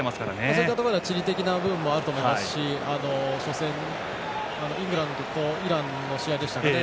そういった部分では地理的な部分もあると思いますし初戦、イングランドとイランの試合でしたかね。